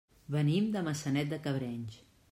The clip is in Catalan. Venim de Maçanet de Cabrenys.